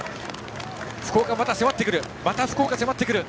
福岡、迫ってくる。